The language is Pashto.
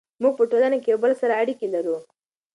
موږ په ټولنه کې یو بل سره اړیکې لرو.